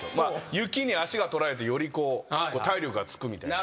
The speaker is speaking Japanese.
雪に足がとられてよりこう体力がつくみたいな。